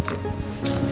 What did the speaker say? tidak ada apa apa